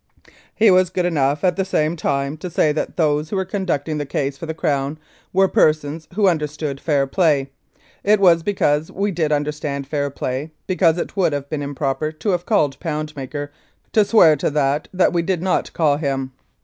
]" He was good enough at the same time to say that those who were conducting the case for the Crown were persons who understood fair play. It was because we did understand fair play, because it would have been improper to have called Poundmaker to swear to that that we did not call him.